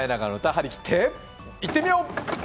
張り切っていってみよう！